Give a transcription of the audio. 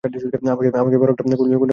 আমাকে বড় একটা গুন্ডাকে ভাড়া করে দিতে পারবে?